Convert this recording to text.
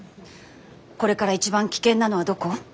これから一番危険なのはどこ？